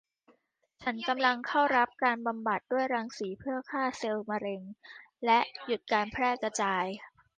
ฉันกำลังเข้ารับการบำบัดด้วยรังสี เพื่อฆ่าเซลล์มะเร็ง และหยุดการแพร่กระจาย